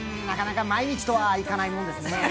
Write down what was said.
なかなか毎日とはいかないものですね。